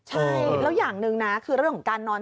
ใช่แล้วอย่างหนึ่งนะคือเรื่องของการนอน